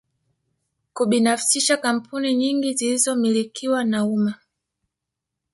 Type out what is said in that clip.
Kubinafsisha kampuni nyingi zilizomilikiwa na umma